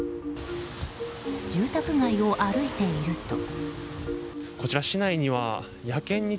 住宅街を歩いていると。